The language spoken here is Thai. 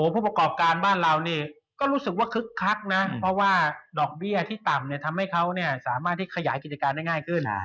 ผู้ประกอบการบ้านเราก็รู้สึกคึกคักเพราะว่าบรรดาลที่ต่ำทำให้ขยายกิจการได้ง่ายขึ้น